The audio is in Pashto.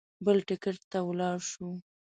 بل ټکټ ته ولاړ شو.